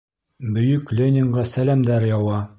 Бөйөк Ленинға сәләмдәр яуа.